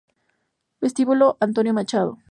Vestíbulo Antonio Machado